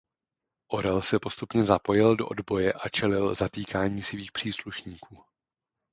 Orel se postupně zapojil do odboje a čelil zatýkání svých příslušníků.